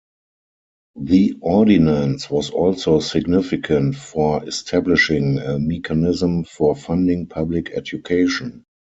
The ordinance was also significant for establishing a mechanism for funding public education.